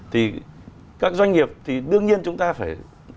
thì các doanh nghiệp thì đương nhiên chúng ta phải